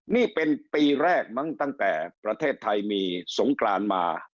นี่เป็นปีแรกมั้งตั้งแต่ประเทศไทยมีสงกรานมา